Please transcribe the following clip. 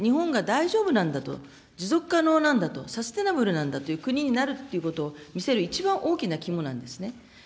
日本が大丈夫なんだと、持続可能なんだと、サステナブルなんだという国になるということを見せる、一番大きな肝なんですね。